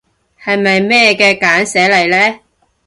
係咪咩嘢嘅簡寫嚟呢？